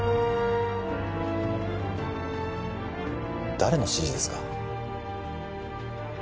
誰の指示ですか？